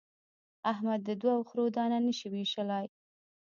احمد د دوو خرو دانه نه شي وېشلای.